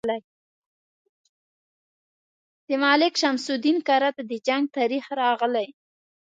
د ملک شمس الدین کرت د جنګ تاریخ راغلی.